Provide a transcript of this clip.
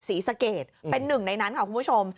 ศรีสะเกดเป็นหนึ่งในนั้นค่ะคุณผู้ชม